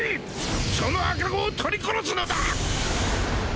その赤子を取り殺すのだ！！